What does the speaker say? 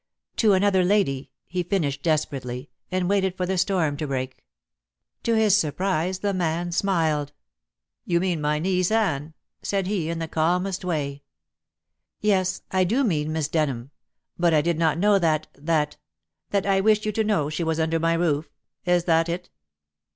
"To another lady," he finished desperately, and waited for the storm to break. To his surprise the man smiled. "You mean my niece Anne," said he in the calmest way. "Yes; I do mean Miss Denham. But I did not know that that " "That I wished you to know she was under my roof. Is that it?"